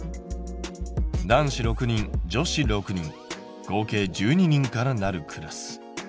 男子６人女子６人合計１２人からなるクラス。